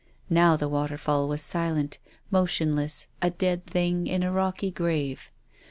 Now the waterfall was silent, motionless, a dead thing in a rocky grave.